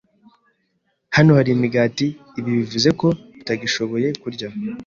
Hano hari imigati. Ibi bivuze ko tutagishoboye kurya.